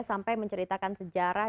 sampai menceritakan sejarah